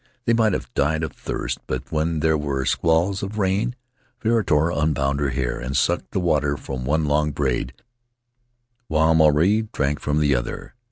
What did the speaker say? They might have died of thirst, but when there were squalls of rain Viritoa unbound her hair and sucked the water from one long braid, while Maruae drank from the other.